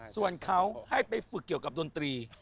ส่วนเขาให้ไปฝึกเกี่ยวกับดนตรี